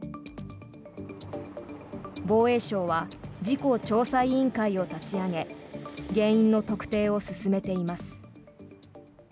防衛省は事故調査委員会を立ち上げ原因の特定を進めています。